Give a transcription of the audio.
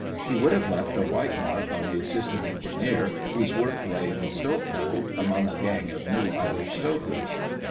He would have left a white mark on the Assistant Engineer, whose work lay in the stokehold among a gang of new Irish stokers.